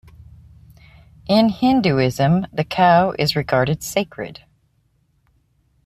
In Hinduism the cow is regarded sacred.